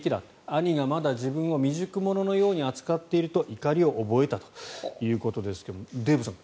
兄がまだ自分を未熟者のように扱っていると怒りを覚えたということですがデーブさん